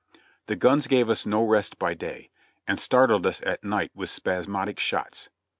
The guns gave us no rest by day, and startled us at night with spasmodic shots.